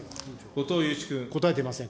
答えていません。